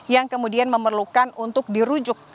yang kemudian memerlukan untuk dirujuk